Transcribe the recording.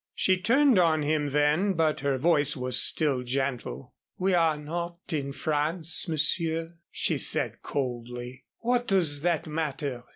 She turned on him then, but her voice was still gentle. "We are not in France, Monsieur," she said coldly. "What does that matter?"